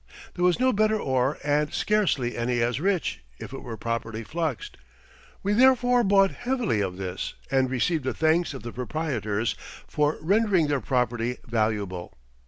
There was no better ore and scarcely any as rich, if it were properly fluxed. We therefore bought heavily of this and received the thanks of the proprietors for rendering their property valuable.